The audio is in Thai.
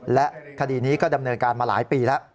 และคดีนี้ก็ดำเนินการมาหลายปีแล้ว